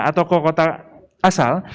atau ke kota asal